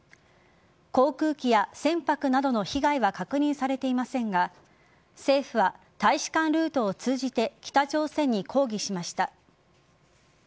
航空機や船舶などの被害は確認されていませんが政府は大使館ルートを通じて北朝鮮に抗議しました。